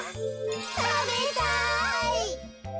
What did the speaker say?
たべたい。